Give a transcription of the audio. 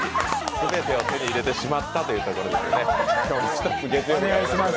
全てを手に入れてしまったというところですね。